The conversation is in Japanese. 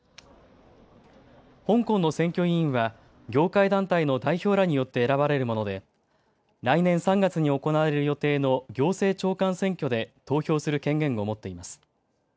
香港の選挙委員は業界団体の代表らによって選ばれるもので来年３月に行われる予定の行政長官選挙で投票する権限を持っています。